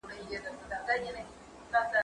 زه اجازه لرم چي ځواب وليکم!؟!؟